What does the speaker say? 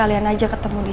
dia ada pada burgit